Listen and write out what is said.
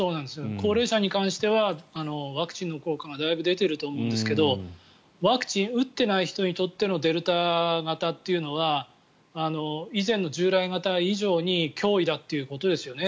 高齢者に関してはワクチンの効果がだいぶ出ていると思うんですがワクチンを打っていない人にとってのデルタ型というのは以前の従来型以上に脅威だということですよね。